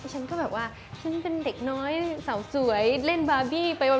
ฉันก็แบบว่าฉันเป็นเด็กน้อยสาวสวยเล่นบาร์บี้ไปวัน